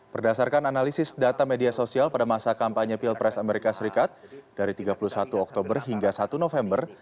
berdasarkan analisis data media sosial pada masa kampanye pilpres amerika serikat dari tiga puluh satu oktober hingga satu november